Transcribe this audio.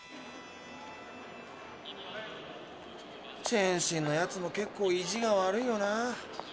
チェンシンのやつもけっこう意地が悪いよな。